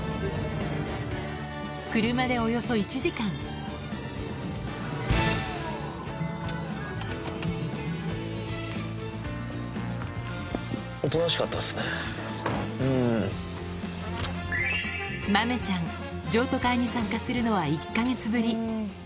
車でおよそ１時間豆ちゃん譲渡会に参加するのは１か月ぶり